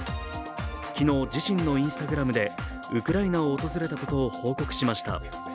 昨日、自身のＩｎｓｔａｇｒａｍでウクライナを訪れたことを報告しました。